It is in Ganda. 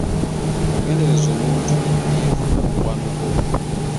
Wegendereze omuntu eyefuula mukwano gwo